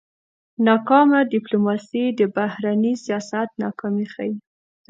ناکامه ډيپلوماسي د بهرني سیاست ناکامي ښيي.